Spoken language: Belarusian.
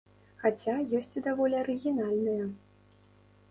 Хаця, ёсць і даволі арыгінальныя.